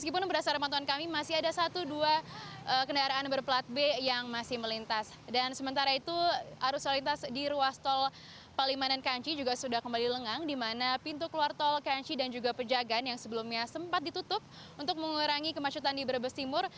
pembangunan yang sebelumnya sempat ditutup untuk mengurangi kemacutan di berbes timur